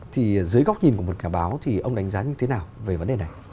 thì dưới góc nhìn của một nhà báo thì ông đánh giá như thế nào về vấn đề này